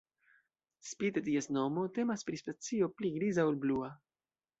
Spite ties nomo, temas pri specio pli griza ol blua.